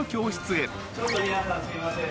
ちょっと皆さんすいません。